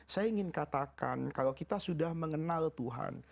saya ingin katakan kalau kita sudah mengenal tuhan